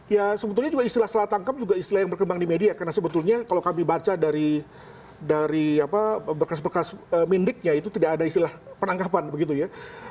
ya sebetulnya juga istilah salah tangkap juga istilah yang berkembang di media karena sebetulnya kalau kami baca dari berkas berkas mendiknya itu tidak ada istilah penangkapan begitu ya